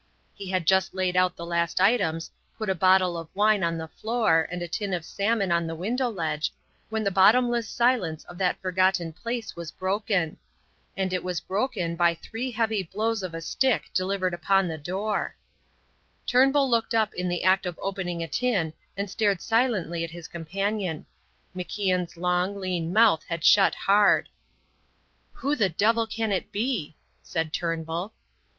He had just laid out the last items, put a bottle of wine on the floor, and a tin of salmon on the window ledge, when the bottomless silence of that forgotten place was broken. And it was broken by three heavy blows of a stick delivered upon the door. Turnbull looked up in the act of opening a tin and stared silently at his companion. MacIan's long, lean mouth had shut hard. "Who the devil can that be?" said Turnbull.